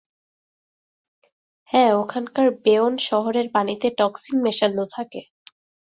হ্যাঁ, ওখানকার বেয়োন শহরের পানিতে টক্সিন মেশানো থাকে।